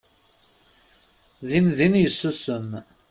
Dindin yessusem.